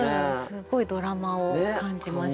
すっごいドラマを感じました。